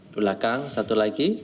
belakang satu lagi